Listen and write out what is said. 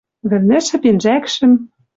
Вӹлнӹшӹ пинжӓкшӹм